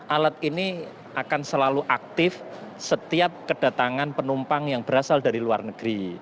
alat ini akan selalu aktif setiap kedatangan penumpang yang berasal dari luar negeri